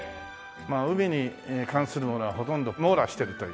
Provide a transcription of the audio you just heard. まあ海に関するものはほとんど網羅してるという。